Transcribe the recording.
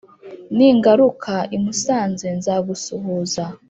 Ningaruka imusanze nzagusuhuza